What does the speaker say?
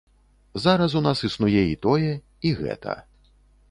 Зараз у нас існуе і тое, і гэта.